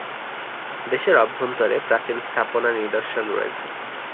দেশের অভ্যন্তরে প্রাচীন স্থাপনা নিদর্শন রয়েছে।